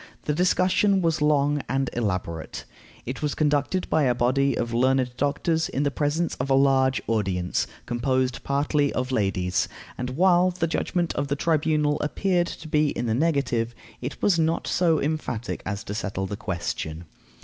The discussion was long and elaborate. It was conducted by a body of learned doctors, in presence of a large audience, composed partly of ladies; and while the judgment of the tribunal appeared to be in the negative, it was not so emphatic as to settle the question.